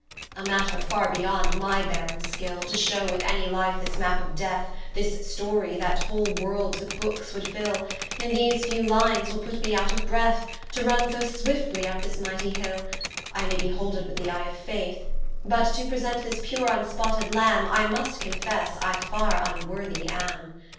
A Matter farre beyond my barren skill, To shew with any Life this map of Death, This Storie, that whole Worlds with Bookes would fill, In these few Lines, will put me out of breath, To run so swiftly vp this mightie Hill, I may behold it with the eye of Faith; But to present this pure vnspotted Lambe, I must confesse, I farre vnworthy am.